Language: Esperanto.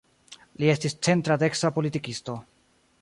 Li estis centra-dekstra politikisto.